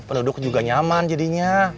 penduduk juga nyaman jadinya